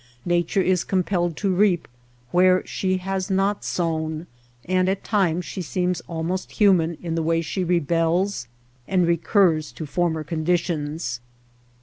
Nature is compelled to reap where she has not sown ; and at times she seems almost human in the way she rebels and recurs to former condi tions.